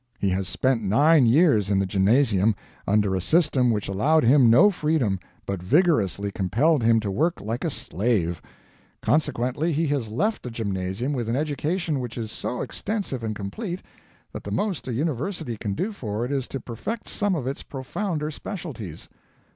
He has spent nine years in the gymnasium, under a system which allowed him no freedom, but vigorously compelled him to work like a slave. Consequently, he has left the gymnasium with an education which is so extensive and complete, that the most a university can do for it is to perfect some of its profounder specialties.